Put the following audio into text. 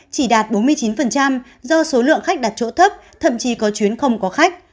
chỉ đạt bốn mươi chín do số lượng khách đặt chỗ thấp thậm chí có chuyến không có khách